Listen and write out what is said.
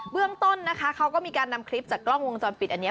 เรื่องต้นนะคะเขาก็มีการนำคลิปจากกล้องวงจรปิดอันนี้